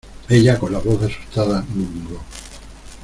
ella, con la voz asustada , murmuró: